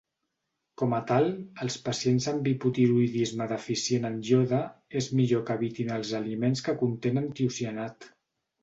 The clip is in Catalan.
Com a tal, els pacients amb hipotiroïdisme deficient en iode és millor que evitin els aliments que contenen tiocianat.